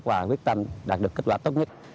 và quyết tâm đạt được kết quả tốt nhất